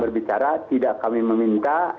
berbicara tidak kami meminta